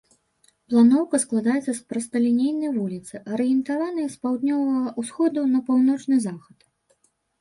Планоўка складаецца з прасталінейнай вуліцы, арыентаванай з паўднёвага ўсходу на паўночны захад.